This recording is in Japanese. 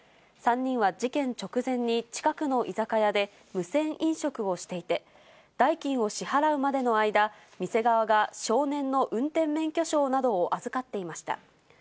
３人は事件直前に近くの居酒屋で無銭飲食をしていて、代金を支払うまでの間、店側が少年の運転免許証などを預かっていました。